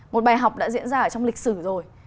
một bài học đã diễn ra trong lịch sử rồi